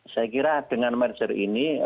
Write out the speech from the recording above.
saya kira dengan merger ini